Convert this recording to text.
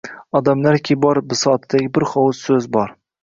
Odamlarki bor, bisotidagi bir hovuch so‘z bor.